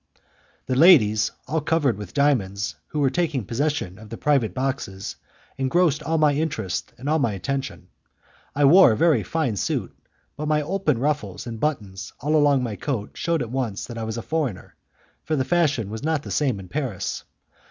The ladies all covered with diamonds, who were taking possession of the private boxes, engrossed all my interest and all my attention. I wore a very fine suit, but my open ruffles and the buttons all along my coat shewed at once that I was a foreigner, for the fashion was not the same in Paris.